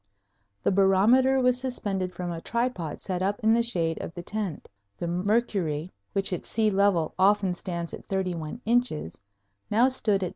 The barometer was suspended from a tripod set up in the shade of the tent. The mercury, which at sea level often stands at 31 inches, now stood at 13.